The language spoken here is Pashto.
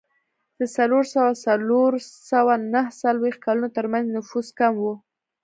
د څلور سوه او څلور سوه نهه څلوېښت کلونو ترمنځ نفوس کم و